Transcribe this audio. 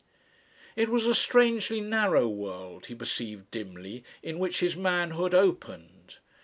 It was a strangely narrow world, he perceived dimly, in which his manhood opened.